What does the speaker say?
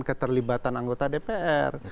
keterlibatan anggota dpr